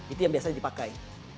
itu yang biasanya dipakai